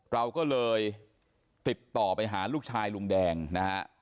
เราก็เลยติดต่อไปหาลูกชายลุงแดงนะฮะ